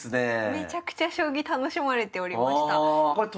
めちゃくちゃ将棋楽しまれておりました。